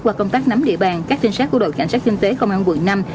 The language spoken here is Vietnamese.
qua công tác nắm địa bàn các tinh sát của đội cảnh sát kinh tế không ăn quận năm